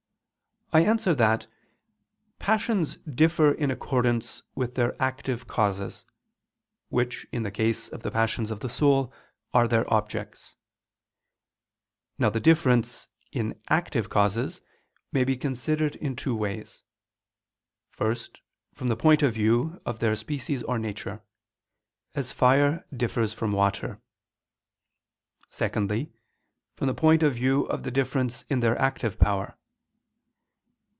I answer that, Passions differ in accordance with their active causes, which, in the case of the passions of the soul, are their objects. Now, the difference in active causes may be considered in two ways: first, from the point of view of their species or nature, as fire differs from water; secondly, from the point of view of the difference in their active power.